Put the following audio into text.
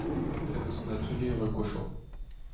Il avait son atelier rue Cauchois.